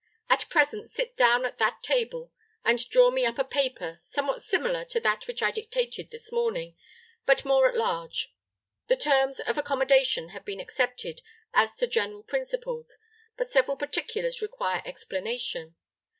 At present sit down at that table, and draw me up a paper, somewhat similar to that which I dictated this morning, but more at large. The terms of accommodation have been accepted as to general principles, but several particulars require explanation.